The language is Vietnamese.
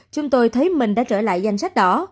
chúng tôi thấy mình đã trở lại danh sách đỏ